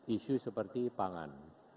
isu seperti pangan